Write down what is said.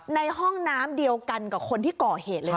ในห้องน้ำเดียวกันกับคนที่ก่อเหตุเลย